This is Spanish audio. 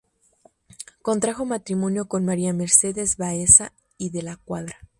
Contrajo matrimonio con María Mercedes Baeza y de la Cuadra.